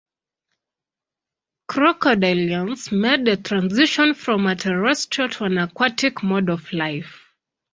Crocodilians made the transition from a terrestrial to an aquatic mode of life.